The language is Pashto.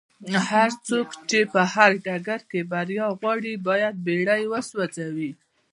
هرڅوک چې په هر ډګر کې بريا غواړي بايد بېړۍ وسوځوي.